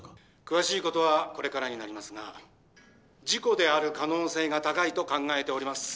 詳しいことはこれからになりますが事故である可能性が高いと考えております